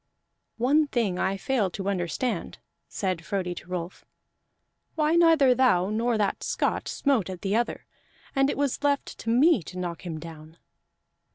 "One thing I fail to understand," said Frodi to Rolf: "why neither thou nor that Scot smote at the other, and it was left to me to knock him down."